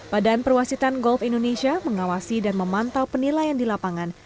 badan perwasitan golf indonesia mengawasi dan memantau penilaian di lapangan